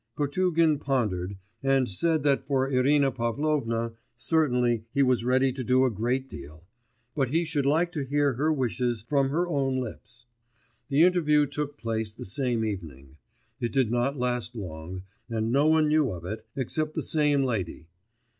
Potugin pondered, and said that for Irina Pavlovna, certainly he was ready to do a great deal; but he should like to hear her wishes from her own lips. The interview took place the same evening; it did not last long, and no one knew of it, except the same lady.